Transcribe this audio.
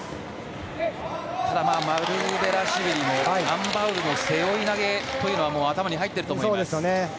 マルクベラシュビリもアン・バウルの背負い投げは頭に入っていると思います。